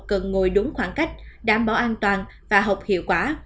cần ngồi đúng khoảng cách đảm bảo an toàn và học hiệu quả